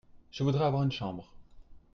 Je voudrais avoir une chambre.